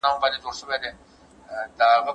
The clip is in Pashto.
که ځواب ووایو نو ابهام نه پاتې کیږي.